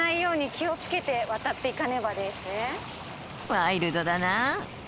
ワイルドだな！